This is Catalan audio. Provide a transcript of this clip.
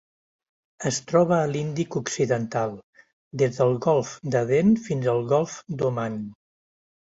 Es troba a l'Índic occidental: des del golf d'Aden fins al golf d'Oman.